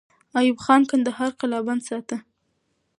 ایوب خان کندهار قلابند ساته.